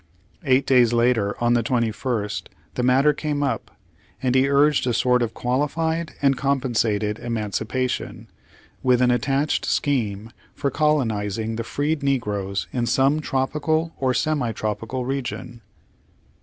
Eight days later, on the 21st, the matter came up, and he urged a sort of qualified and compensated em.ancipation, with an attached scheme for colonizing the freed negroes in some tropical or semi tropical region.